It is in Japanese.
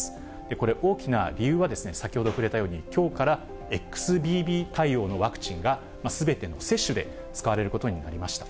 これ、大きな理由は、先ほど触れたように、きょうからＸＢＢ．対応のワクチンがすべての接種で使われることになりました。